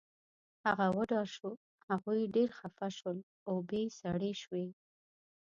هغه وډار شو، هغوی ډېر خفه شول، اوبې سړې شوې